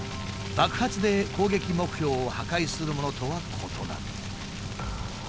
爆発で攻撃目標を破壊するものとは異なる。